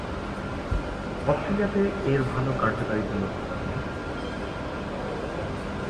অস্ট্রেলিয়াতে এর ভালো কার্যকারিতা লক্ষ্য করা গেছে।